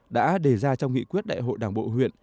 đã đề ra trong nghị quyết đại hội đảng bộ huyện